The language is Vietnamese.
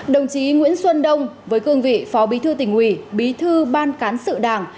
đồng chí nguyễn xuân đông với cương vị phó bí thư tỉnh ủy bí thư ban cán sự đảng